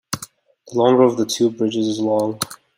The longer of the two bridges is long.